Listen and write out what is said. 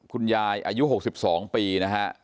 คุณยายอายุ๖๒ปีนะฮะ